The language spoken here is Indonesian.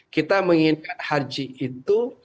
kita menginginkan haji itu